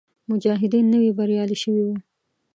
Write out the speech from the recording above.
مجاهدین نوي بریالي شوي وو.